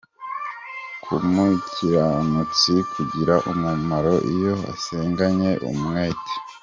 k'umukiranutsi kugira umumaro iyo asenganye umwete.